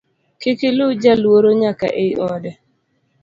Kik iluw jaluoro nyaka ei ode